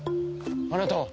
あなたは。